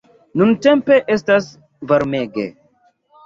Nuntempe estas varmege.